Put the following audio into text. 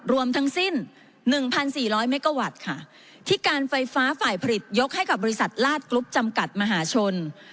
รวมทั้งสิ้น๑๔๐๐เมกาวัตต์ค่ะที่การไฟฟ้าฝ่ายผลิตยกให้กับบริษัทลาดกรุ๊ปจำกัดมหาชน